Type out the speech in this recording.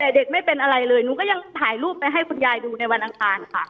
แต่เด็กไม่เป็นอะไรเลยหนูก็ยังถ่ายรูปไปให้คุณยายดูในวันอังคารค่ะ